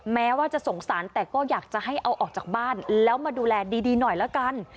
แม้ว่าจะสงสารแต่ก็อยากจะให้เอาออกจากบ้านแล้วมาดูแลดีหน่อยละกัน